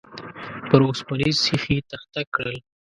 پر اوسپنيز سيخ يې تخته کړل.